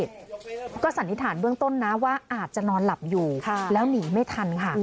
ก็สันนิษฐานเบื้องต้นนะว่าอาจจะนอนหลับอยู่แล้วหนีไม่ทันค่ะ